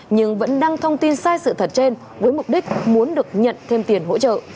nhưng vẫn đăng thông tin sai sự thật trên với mục đích muốn được nhận thêm tiền hỗ trợ